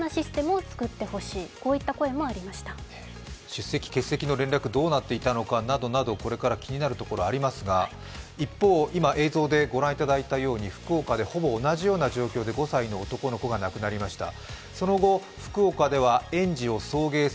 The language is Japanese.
出席・欠席の連絡がどうなっていたのかなど、これから気になるところありますが、一方、今、映像でご覧いただいたように、福岡でほぼ同じような状況で５歳の男の子が亡くなりました。